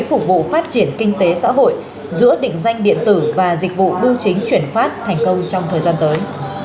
phục vụ phát triển kinh tế xã hội giữa định danh điện tử và dịch vụ bưu chính chuyển phát thành công trong thời gian tới